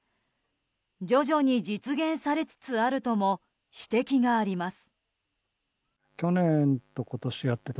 徐々に実現されつつあるとも指摘があります。